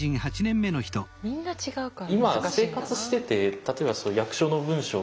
みんな違うからな。